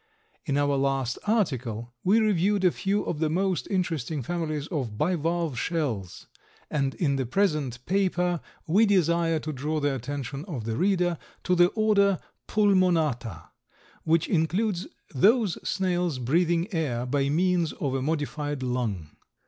In our last article we reviewed a few of the most interesting families of bivalve shells, and in the present paper we desire to draw the attention of the reader to the order Pulmonata, which includes those snails breathing air by means of a modified lung.